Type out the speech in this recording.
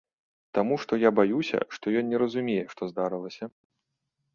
Таму што я баюся, што ён не разумее, што здарылася.